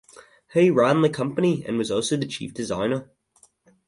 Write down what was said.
He ran the company and was also the chief designer.